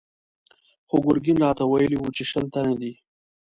خو ګرګين راته ويلي و چې شل تنه دي.